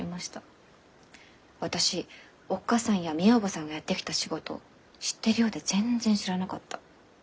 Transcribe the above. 私おっ母さんやみえ叔母さんがやってきた仕事知ってるようで全然知らなかった。